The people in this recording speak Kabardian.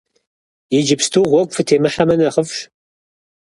Иджыпсту гъуэгу фытемыхьэмэ нэхъыфӀщ!